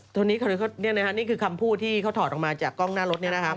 ตอนนี้เขาเรียกนะครับนี่คือคำพูดที่เขาถอดออกมาจากกล้องหน้ารถนี่นะครับ